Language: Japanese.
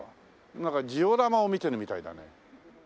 なんかジオラマを見てるみたいだね。